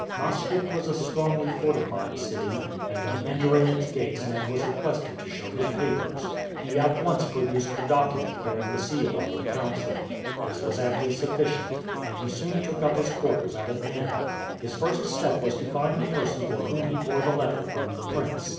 Maastricht was a strongly fortified city, and on entering its gates Ned was requested to show his papers. He at once produced the document bearing the seal of the Council. This was amply sufficient, and he soon took up his quarters at an inn. His first step was to find the person for whom he bore the letter from the prince.